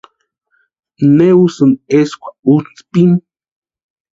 ¿Ne usïni eskwa útspini?